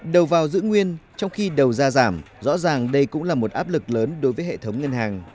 đầu vào giữ nguyên trong khi đầu ra giảm rõ ràng đây cũng là một áp lực lớn đối với hệ thống ngân hàng